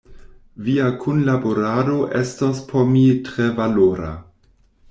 Via kunlaborado estos por mi tre valora.